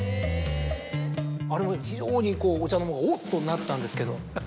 あれも非常にお茶の間がおっ！となったんですけど。